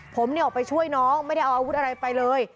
ผมออกไปช่วยน้องไม่ได้เอาอาวุธอะไรไปเลย